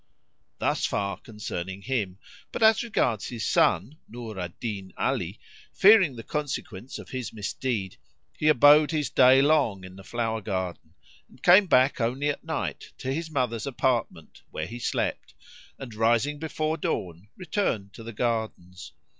Thus far concerning him; but as regards his son Nur al Din Ali, fearing the consequence of his misdeed he abode his day long in the flower garden and came back only at night to his mother's apartment where he slept; and, rising before dawn, returned to the gardens.